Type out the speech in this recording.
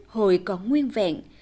hồi còn nguyên vẹn